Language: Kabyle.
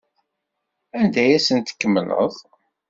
Anda ay asent-tkemmleḍ?